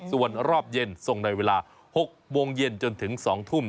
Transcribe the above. ส่วนรอบเย็นส่งในเวลา๖โมงเย็นจนถึง๒ทุ่ม